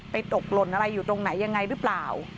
ตกหล่นอะไรอยู่ตรงไหนยังไงหรือเปล่า